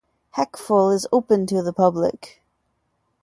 Hackfall is open to the public.